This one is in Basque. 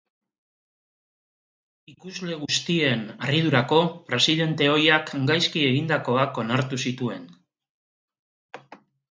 Ikusle guztien harridurarako, presidente ohiak gaizki egindakoak onartu zituen.